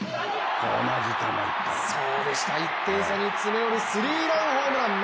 １点差に詰め寄るスリーランホームラン。